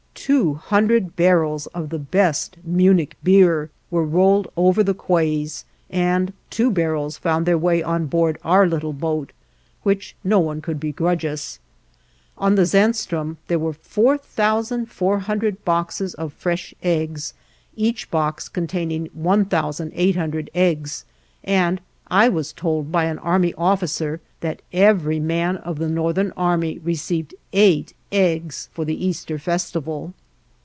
Two hundred barrels of the best Munich beer were rolled over the quays, and two barrels found their way on board our little boat, which no one could begrudge us. On the "Zaanstroom" there were 4,400 boxes of fresh eggs, each box containing 1,800 eggs, and I was told by an Army officer that every man of the Northern Army received eight eggs for the Easter festival.